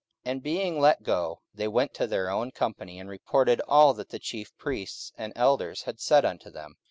44:004:023 And being let go, they went to their own company, and reported all that the chief priests and elders had said unto them.